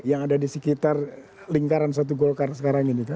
yang ada di sekitar lingkaran satu golkar sekarang ini